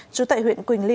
chú tậy huyện quỳnh